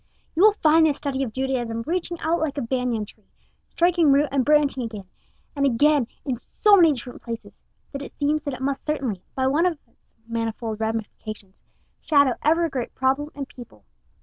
You will find this study of Judaism reaching out like a banyan tree, striking root and branching again and again in so many different places that it seems that it must certainly, by some one of its manifold ramifications, shadow every great problem and people.